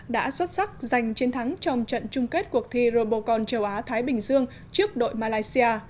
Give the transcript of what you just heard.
đã xuất sắc giành chiến thắng trong trận chung kết cuộc thi robocon châu á thái bình dương trước đội malaysia